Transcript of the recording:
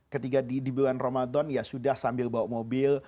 ketika di bulan ramadan ya sudah sambil bawa mobil